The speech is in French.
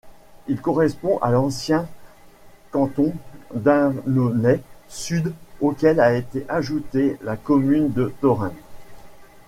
Il correspond à l'ancien canton d'Annonay-Sud auquel a été ajouté la commune de Thorrenc.